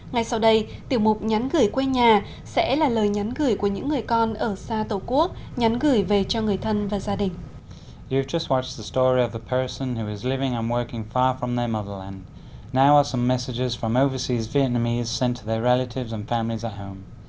ngay sau đây tiểu mục nhắn gửi quê nhà sẽ là lời nhắn gửi của những người con ở xa tổ quốc nhắn gửi về cho người thân và gia đình